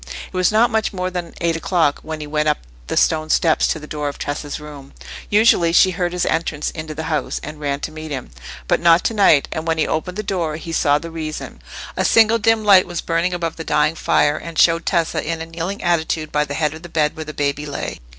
It was not much more than eight o'clock when he went up the stone steps to the door of Tessa's room. Usually she heard his entrance into the house, and ran to meet him, but not to night; and when he opened the door he saw the reason. A single dim light was burning above the dying fire, and showed Tessa in a kneeling attitude by the head of the bed where the baby lay.